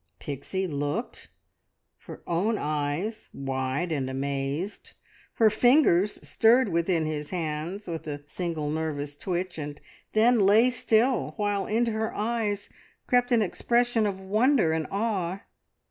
Pixie looked, her own eyes wide and amazed. Her fingers stirred within his hands with a single nervous twitch, and then lay still, while into her eyes crept an expression of wonder and awe.